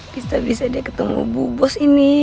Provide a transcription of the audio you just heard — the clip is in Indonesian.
bisa bisa dia ketemu bu bos ini